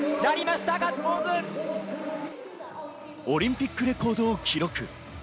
オリンピックレコードを記録。